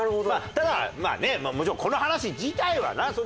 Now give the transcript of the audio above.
ただまあねもちろんこの話自体はな